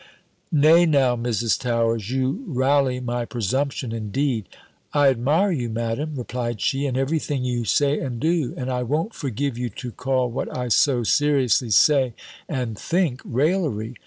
"Nay, now, Mrs. Towers, you rally my presumption, indeed!" "I admire you, Madam," replied she, "and every thing you say and do; and I won't forgive you to call what I so seriously say and think, raillery.